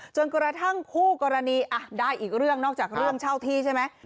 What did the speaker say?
จนกระทั่งคู่กรณีได้อีกเรื่องนอกจากเรื่องเช่าที่ใช่ไหม